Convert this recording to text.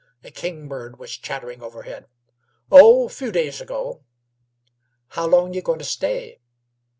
A kingbird was chattering overhead. "Oh, a few days ago." "How long y' goin' t' stay?"